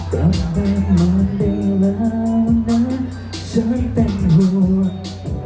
กลับไปหมดได้แล้วนะฉันเป็นหู